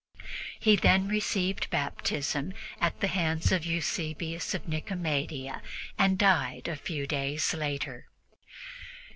He then received Baptism at the hands of Eusebius of Nicomedia, and died a few days later.